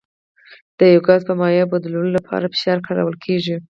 د یو ګاز په مایع بدلولو لپاره فشار کارول کیږي.